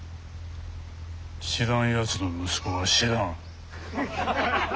知らんやつの息子は知らん。